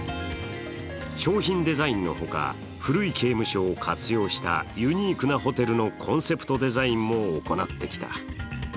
商品デザインのほか、古い刑務所を活用したユニークなホテルのコンセプトデザインも行ってきた。